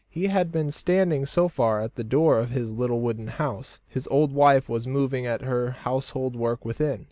He had been standing so far at the door of his little wooden house. His old wife was moving at her household work within.